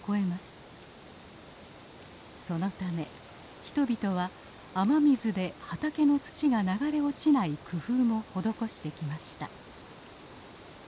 そのため人々は雨水で畑の土が流れ落ちない工夫も施してきました。